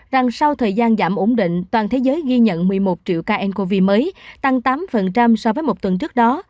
rằng sau thời gian giảm ổn định toàn thế giới ghi nhận một mươi một triệu ca ncov mới tăng tám so với một tuần trước đó